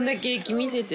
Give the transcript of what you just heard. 見せて！